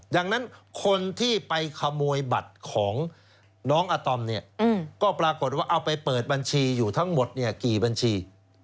ดังนั้นคนที่ไปขโมยบัตรของน้องอาตอมเนี่ยก็ปรากฏว่าเอาไปเปิดบัญชีอยู่ทั้งหมดเนี่ยกี่บัญชี